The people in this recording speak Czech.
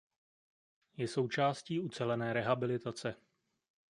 Je součástí ucelené rehabilitace.